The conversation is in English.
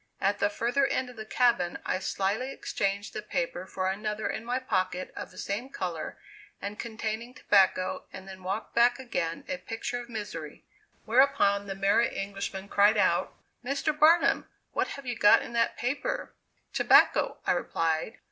At the further end of the cabin I slyly exchanged the paper for another in my pocket of the same color and containing tobacco and then walked back again a picture of misery. Whereupon, the Merry Englishman cried out: "Mr. Barnum, what have you got in that paper?" "Tobacco," I replied.